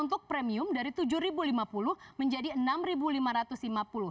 untuk premium dari rp tujuh lima puluh menjadi rp enam lima ratus lima puluh